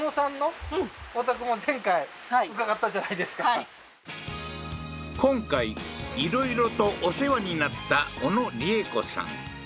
はい今回いろいろとお世話になった小野利枝子さん